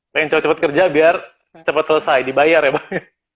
pengen cepet cepet kerja biar cepet selesai dibayar ya bang